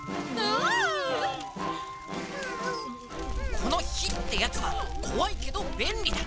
この火ってやつはこわいけどべんりだ。